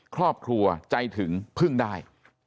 ครอบครัวใจถึงพึ่งได้